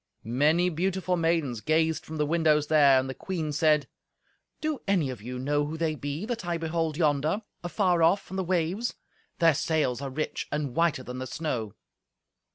Many beautiful maidens gazed from the windows there, and the queen said, "Do any of you know who they be, that I behold yonder, afar off on the waves? Their sails are rich and whiter than the snow."